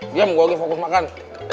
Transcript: diam gue lagi fokus makan